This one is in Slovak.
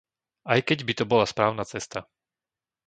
Aj keď by to bola správna cesta.